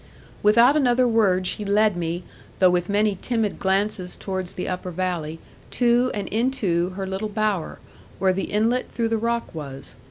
Without another word she led me, though with many timid glances towards the upper valley, to, and into, her little bower, where the inlet through the rock was.